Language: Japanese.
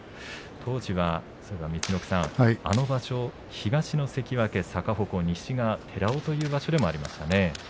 当時は、陸奥さん、あの場所東の関脇逆鉾西が寺尾という場所でもそうですね。